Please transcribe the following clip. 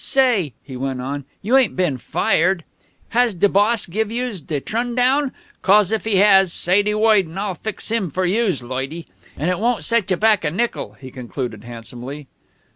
"Say," he went on, "you ain't bin fired? Has de boss give youse de trun down? 'Cos if he has, say de woid and I'll fix him for youse, loidy. An' it won't set you back a nickel," he concluded handsomely.